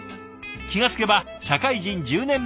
気が付けば社会人１０年目。